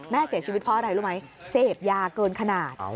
เสียชีวิตเพราะอะไรรู้ไหมเสพยาเกินขนาด